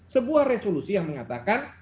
sebuah resolusi yang mengatakan